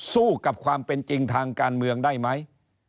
สู้กับความเป็นจริงทางการเมืองได้ไหม